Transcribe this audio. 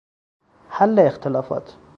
حل اختلافات